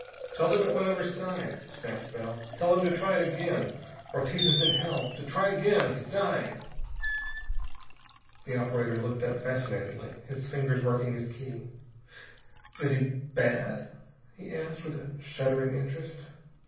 "Tell them it went overside," snapped Bell. "Tell them to try it again. Ortiz is in hell! To try again! He's dying!" The operator looked up fascinatedly, his fingers working his key. "Is he bad?" he asked with a shuddering interest.